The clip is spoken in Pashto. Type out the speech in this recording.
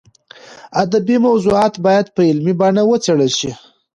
ادبي موضوعات باید په علمي بڼه وڅېړل شي.